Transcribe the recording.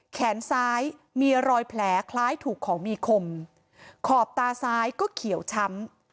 แขนซ้ายมีรอยแผลคล้ายถูกของมีคมขอบตาซ้ายก็เขียวช้ำ